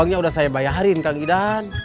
uangnya udah saya bayarin kak idan